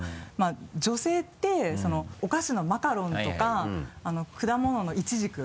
女性ってお菓子のマカロンとか果物のイチジク。